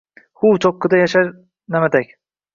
Huv… cho’qqida yashnar na’matak.